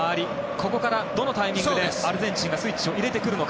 ここからどのタイミングでアルゼンチンがスイッチを入れてくるのか。